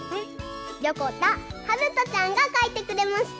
よこたはるとちゃんがかいてくれました。